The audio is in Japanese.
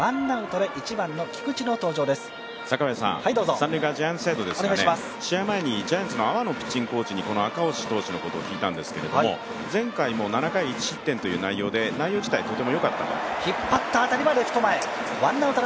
三塁側、ジャイアンツサイドですが、試合前にジャイアンツの阿波ピッチングコーチに赤星のことを聞いたんですけども、前回も７回１失点という内容で内容自体とてもよかった。